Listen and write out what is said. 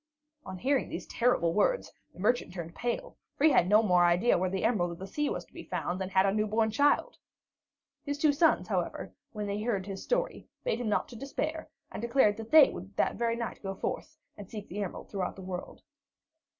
On hearing these terrible words, the merchant turned pale, for he had no more idea where the Emerald of the Sea was to be found than had a new born child. His two sons, however, when they had heard his story, bade him not to despair, and declared that they would that very night go forth and seek the emerald through the world.